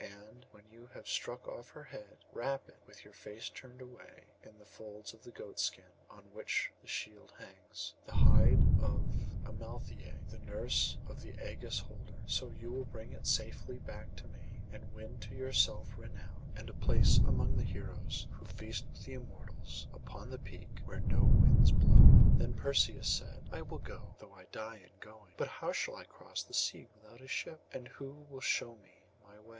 And when you have struck off her head, wrap it, with your face turned away, in the folds of the goat skin on which the shield hangs, the hide of Amaltheié, the nurse of the Ægis holder. So you will bring it safely back to me, and win to yourself renown, and a place among the heroes who feast with the Immortals upon the peak where no winds blow.' Then Perseus said, 'I will go, though I die in going. But how shall I cross the seas without a ship? And who will show me my way?